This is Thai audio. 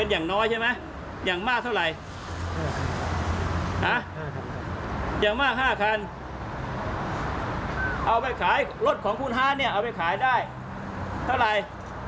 อย่างมากเท่าไหร่อย่างมาก๕คันเอาไปขายรถของคุณฮานเนี่ยเอาไปขายได้เท่าไหร่